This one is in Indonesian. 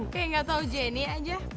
kayak gak tau jenny aja